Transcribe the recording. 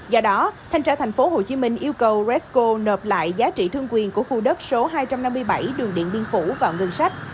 do đó thanh tra thành phố hồ chí minh yêu cầu resco nợp lại giá trị thương quyền của khu đất số hai trăm năm mươi bảy đường địa biên phủ vào ngân sách